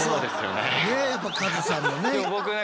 ねっやっぱカズさんのね。